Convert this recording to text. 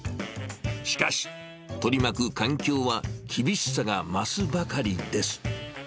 しかし、取り巻く環境は厳しさが増すばかりです。